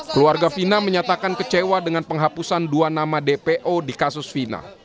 keluarga fina menyatakan kecewa dengan penghapusan dua nama dpo di kasus vina